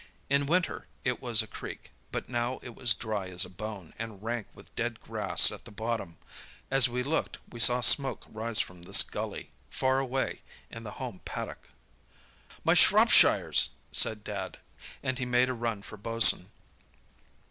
In winter it was a creek, but now it was dry as a bone, and rank with dead grass at the bottom. As we looked we saw smoke rise from this gully, far away, in the home paddock. "'My Shropshires!' said Dad, and he made a run for Bosun.